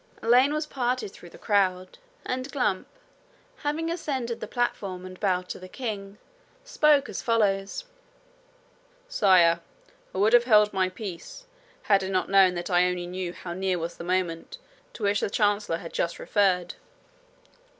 A lane was parted through the crowd, and Glump, having ascended the platform and bowed to the king, spoke as follows: 'Sire, I would have held my peace, had I not known that I only knew how near was the moment, to which the Chancellor had just referred.